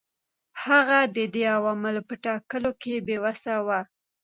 هغه د دې عواملو په ټاکلو کې بې وسه و.